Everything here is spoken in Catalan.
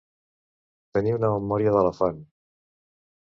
Tenir una memòria d'elefant.